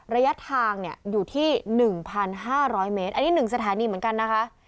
ระยะทางอยู่ที่๑๕๐๐เมตรอันนี้๑สถานีเหมือนกันนะคะ